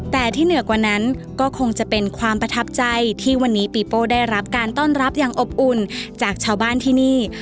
แต่ที่เหนือกว่านั้นก็คงจะเป็นความประทับใจที่วันนี้ปีโป้ได้รับการต้อนรับอย่างอบอุ่นจากชาวบ้านที่นี่